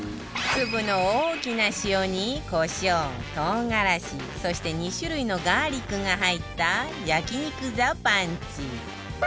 粒の大きな塩にコショウ唐辛子そして２種類のガーリックが入った焼肉ザパンチ